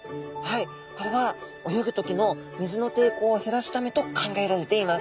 これは泳ぐ時の水の抵抗を減らすためと考えられています。